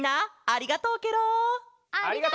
ありがとう！